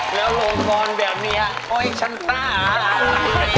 แล้วโรงกรณ์แบบนี้โอ๊ยฉันพระอาหาร